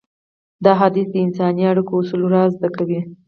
دا حديث د انساني اړيکو اصول رازده کوي.